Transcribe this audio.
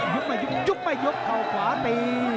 ไม่ยุบยุบไม่ยุบเข่าขวาตี